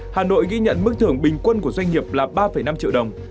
hà nội ghi nhận mức thưởng bình quân của doanh nghiệp là ba năm triệu đồng